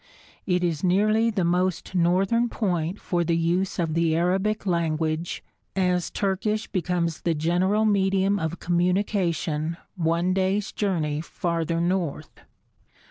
It is nearly the most northern point for the use of the Arabic language, as Turkish becomes the general medium of communication one day's journey farther north.